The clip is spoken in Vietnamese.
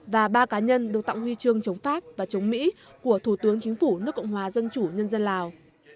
và ba cá nhân được tặng huy chương chống pháp và chống mỹ của thủ tướng chính phủ nước cộng hòa dân chủ nhân dân lào